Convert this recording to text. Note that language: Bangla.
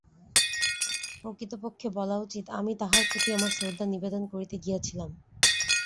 প্রকৃতপক্ষে বলা উচিত, আমি তাঁহার প্রতি আমার শ্রদ্ধা নিবেদন করিতে গিয়াছিলাম।